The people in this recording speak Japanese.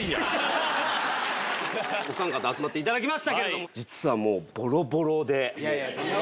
おさん方集まっていただきましたけども実はもう。